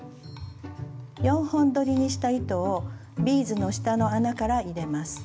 ４本どりにした糸をビーズの下の穴から入れます。